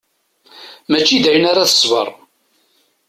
Mačči dayen ara tesber.